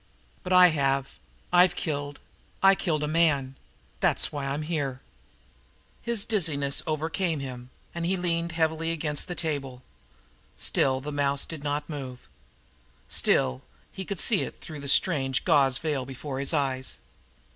But I have I've killed. I killed a man. That's why I'm here." His dizziness almost overcame him, and he leaned heavily against the table. Still the little mouse did not move. Still he could see it through the strange gauze veil before his eyes.